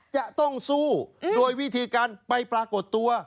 จะต้องสู้โดยวิธีการไปปรากฏตัว